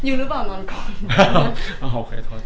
อยู่รึเปล่านอนกลน